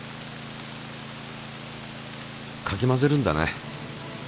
かき混ぜるんだね。